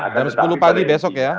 jam sepuluh pagi besok ya